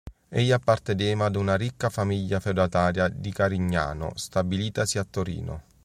Egli apparteneva ad una ricca famiglia feudataria di Carignano stabilitasi a Torino.